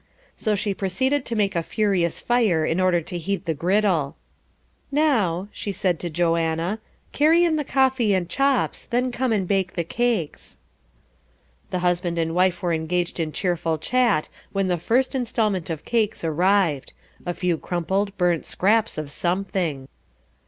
So she proceeded to make a furious fire, in order to heat the griddle. "Now," she said to Joanna, "carry in the coffee and chops, then come and bake the cakes." The husband and wife were engaged in cheerful chat when the first instalment of cakes arrived; a few crumpled, burnt scraps of something.